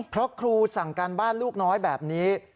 เพราะครูสั่งการบ้านลูกน้อยแบบนี้